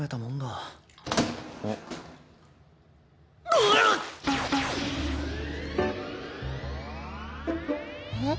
うわっ！えっ？